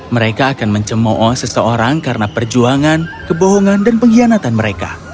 mereka akan mencemoo ⁇ seseorang karena perjuangan kebohongan dan pengkhianatan mereka